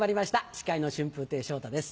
司会の春風亭昇太です。